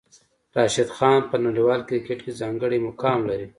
راشد خان په نړیوال کرکټ کې ځانګړی مقام لري.